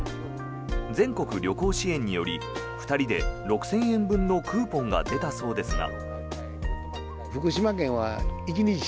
全国旅行支援により２人で６０００円分のクーポンが出たそうですが。